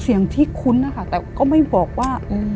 เสียงที่คุ้นนะคะแต่ก็ไม่บอกว่า